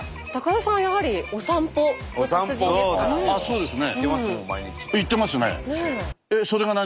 そうですね。